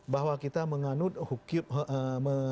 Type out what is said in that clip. bahwa kita menganut hukum